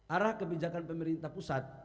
arah kebijakan pemerintah pusat